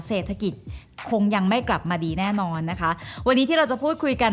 เศรษฐกิจคงยังไม่กลับมาดีแน่นอนนะคะวันนี้ที่เราจะพูดคุยกัน